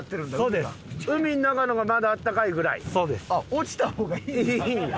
落ちた方がいいんや。